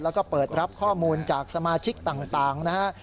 แล้วก็เปิดรับข้อมูลจากสมาชิกต่างนะฮะ